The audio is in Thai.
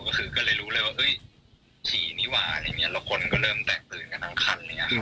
ก็คือก็เลยรู้เลยว่าเออฉี่นี่หว่าแล้วคนนั้นก็เริ่มแตกตื่นกันทั้งครั้ง